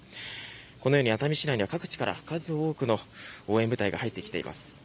このように、熱海市内では各地から数多くの応援部隊が入っています。